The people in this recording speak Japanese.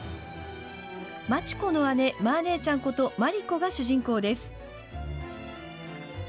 町子の姉「マー姉ちゃん」こと毬子が主人公です。